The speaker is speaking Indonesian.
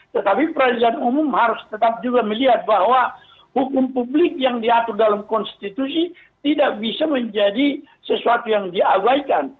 tetapi peradilan umum harus tetap juga melihat bahwa hukum publik yang diatur dalam konstitusi tidak bisa menjadi sesuatu yang diabaikan